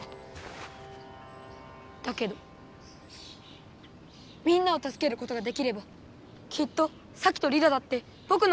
だけどみんなをたすけることができればきっとサキとリラだってぼくのこと。